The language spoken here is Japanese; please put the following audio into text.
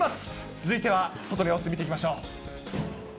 続いては、外の様子見ていきましょう。